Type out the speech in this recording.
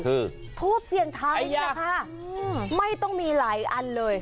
ฮูบเสียงไทยนี่คะไม่ต้องมีหลายอันเลย